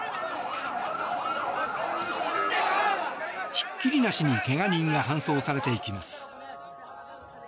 ひっきりなしに怪我人が搬送されていきます。